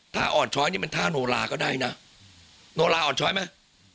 ถ้าอ่อนช้อยนี่มันท่าโนลาก็ได้นะโนลาอ่อนช้อยไหม